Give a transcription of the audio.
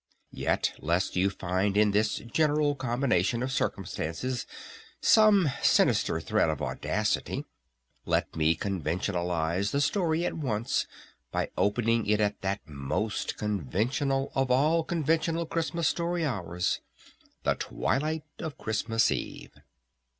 Yet lest you find in this general combination of circumstances some sinister threat of audacity, let me conventionalize the story at once by opening it at that most conventional of all conventional Christmas story hours, the Twilight of Christmas Eve.